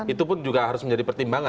itu pun juga harus menjadi pertimbangan